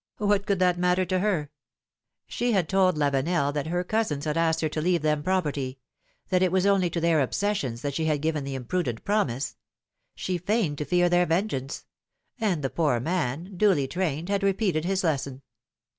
What could that matter to her? philomMe's makkiages* 109 She had told Lavenel that her cousins had asked her to leave them property; that it was only to their obsessions that she had given the imprudent promise ; she feigned to fear their vengeance; and the poor man, duly trained, had repeated his lesson.